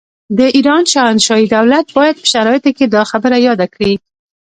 د ایران شاهنشاهي دولت باید په شرایطو کې دا خبره یاده کړي.